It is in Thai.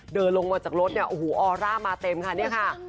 เดินลงมาจากรถเนี่ยโอ้โหออร่ามาเต็มค่ะเนี่ยค่ะ